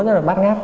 rất là bắt ngáp